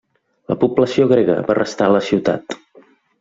La població grega va restar a la ciutat.